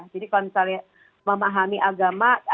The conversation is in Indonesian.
jadi kalau misalnya memahami agama